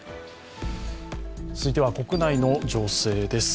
続いては国内の情勢です。